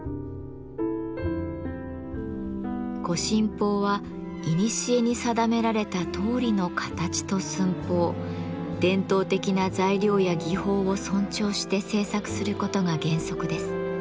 御神宝はいにしえに定められたとおりの形と寸法伝統的な材料や技法を尊重して制作することが原則です。